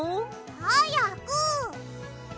はやく。